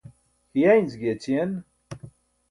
hiẏanc giyaćiyen